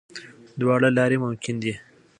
دواړه لارې ممکن دي.